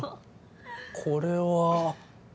これは。